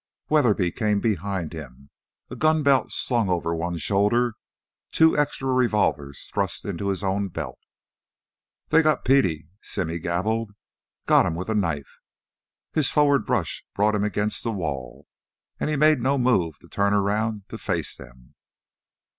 Weatherby came behind him, a gun belt slung over one shoulder, two extra revolvers thrust into his own belt. "They got Petey," Simmy gabbled. "Got him wi' a knife!" His forward rush brought him against the wall, and he made no move to turn around to face them.